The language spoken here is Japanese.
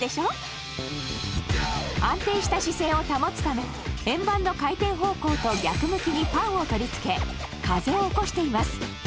安定した姿勢を保つため円盤の回転方向と逆向きにファンを取り付け風を起こしています。